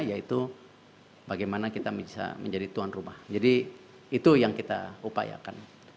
yaitu bagaimana kita bisa menjadi tuan rumah jadi itu yang kita upayakan